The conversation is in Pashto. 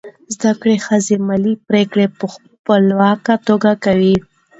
زده کړه ښځه مالي پریکړې په خپلواکه توګه کوي.